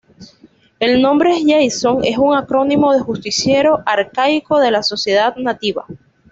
El nombre Jason es un acrónimo de "Justiciero Arcaico de la Sociedad Nativa".